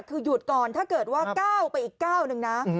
คือหยุดก่อนถ้าเกิดว่า๙ไปอีก๙หนึ่งนะ